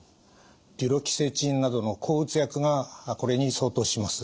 デュロキセチンなどの抗うつ薬がこれに相当します。